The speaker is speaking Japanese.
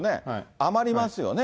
余りますよね。